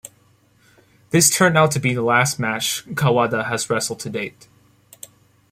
This turned out to be the last match Kawada has wrestled to date.